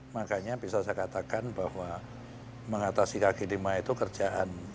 makanya bisa saya katakan bahwa mengatasi kaki lima itu kerjaan